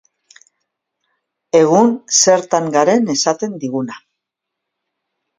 Egun zertan garen esaten diguna.